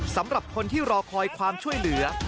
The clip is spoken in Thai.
สำหรับคนที่รอคอยความช่วยเหลือ